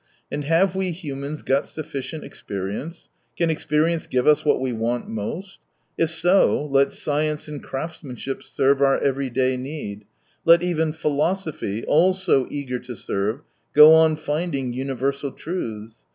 And have we humans got sufficient experience ? Can experience give us what we want most ? If so, let science and craftsmanship serve our everyday need, let even philosophy, also eager to serve, go on finding universal truths.